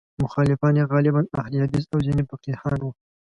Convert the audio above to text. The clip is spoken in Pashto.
مخالفان یې غالباً اهل حدیث او ځینې فقیهان وو.